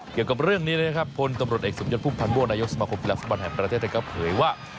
เกี่ยวกับเรื่องนี้นะครับพลตำรวจเอกสมยศพุ่มพันธ์ม่วงนายกสมาคมกีฬาฟุตบอลแห่งประเทศไทยก็เผยว่า